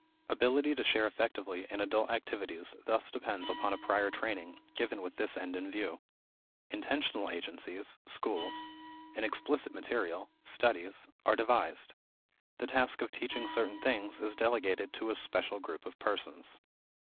Ability to share effectively in adult activities thus depends upon a prior training given with this end in view. Intentional agencies schools and explicit material studies are devised. The task of teaching certain things is delegated to a special group of persons.